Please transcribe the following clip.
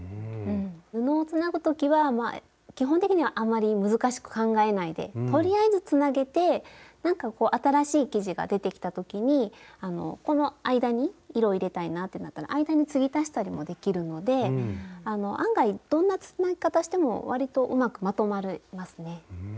布をつなぐ時は基本的にはあまり難しく考えないでとりあえずつなげてなんかこう新しい生地が出てきた時にこの間に色入れたいなってなったら間に継ぎ足したりもできるので案外どんなつなぎ方してもわりとうまくまとまりますね。